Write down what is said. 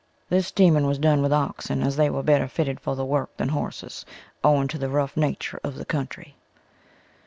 This teaming was done with oxen as they were better fitted for the work than horses, owing to the rough nature of the country.